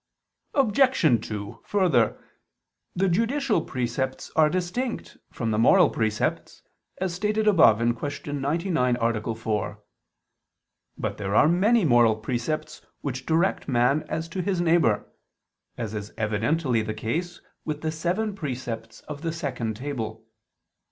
Obj. 2: Further, the judicial precepts are distinct from the moral precepts, as stated above (Q. 99, A. 4). But there are many moral precepts which direct man as to his neighbor: as is evidently the case with the seven precepts of the second table.